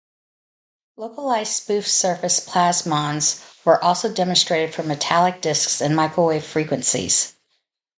Localized spoof surface plasmons were also demonstrated for metallic disks in microwave frequencies.